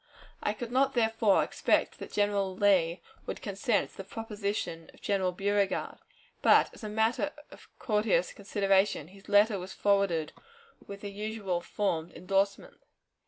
I could not therefore expect that General Lee would consent to the proposition of General Beauregard; but, as a matter of courteous consideration, his letter was forwarded with the usual formed endorsement.